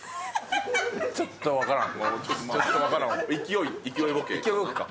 ちょっと分からん。